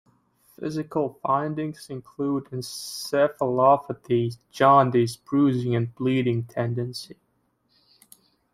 Physical findings include encephalopathy, jaundice, bruising and bleeding tendency.